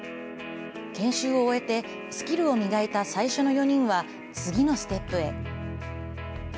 研修を終えて、スキルを磨いた最初の４人は、次のステップへ。